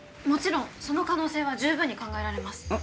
もちろんその可能性はじゅうぶんに考えられます。